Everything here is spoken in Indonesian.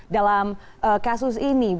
dalam kasus ini